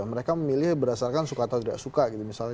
mereka memilih berdasarkan suka atau tidak suka gitu misalnya